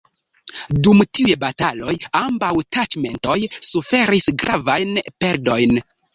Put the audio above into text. Dum tiuj bataloj ambaŭ taĉmentoj suferis gravajn perdojn.